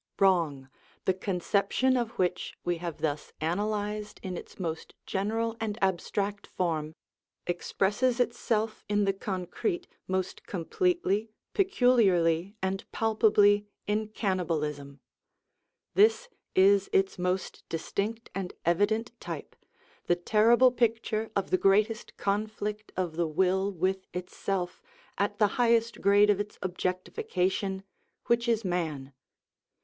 Wrong, the conception of which we have thus analysed in its most general and abstract form, expresses itself in the concrete most completely, peculiarly, and palpably in cannibalism. This is its most distinct and evident type, the terrible picture of the greatest conflict of the will with itself at the highest grade of its objectification, which is man.